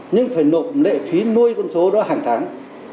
nhưng phải nộp lệ phí nuôi con số đó hàng tháng